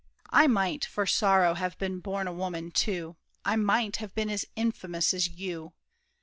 I might, For sorrow, have been born a woman too. I might have been as infamous as you.